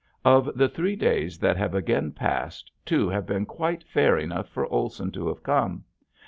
Of the three days that have again passed two have been quite fair enough for Olson to have come.